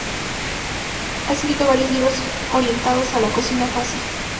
Ha escrito varios libros orientados a la cocina fácil.